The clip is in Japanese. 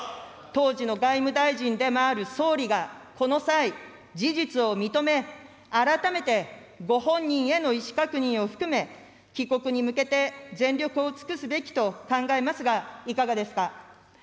当時の外務大臣でもある総理が、この際、事実を認め、改めてご本人への意思確認を含め、帰国に向けて、全力を尽くすべきと考えますが、いかがですか。